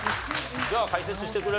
じゃあ解説してくれる？